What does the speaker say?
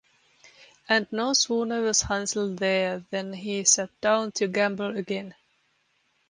And no sooner was Hansel there than he sat down to gamble again.